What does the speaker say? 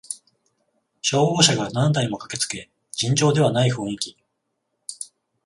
消防車が何台も駆けつけ尋常ではない雰囲気